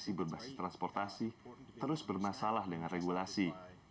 kondisi berbasis transportasi terus bermasalah dengan regulasi